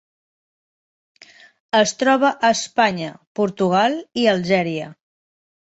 Es troba a Espanya, Portugal, i Algèria.